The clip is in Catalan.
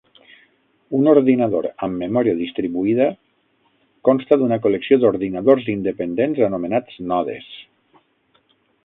Un ordinador amb memòria distribuïda consta d'una col·lecció d'ordinadors independents anomenats nodes.